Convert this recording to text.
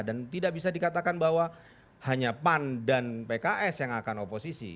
dan tidak bisa dikatakan bahwa hanya pan dan pks yang akan oposisi